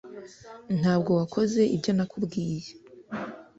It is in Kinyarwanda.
Ntabwo wakoze ibyo nakubwiye